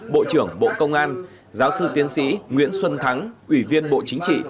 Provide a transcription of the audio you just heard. bộ trưởng bộ công an giáo sư tiến sĩ nguyễn xuân thắng ủy viên bộ chính trị